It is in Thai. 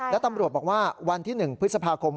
และตำรวจบอกว่าวันที่๑พฤษภาคม